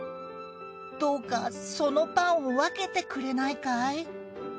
どうかそのパンを分けてくれないかい？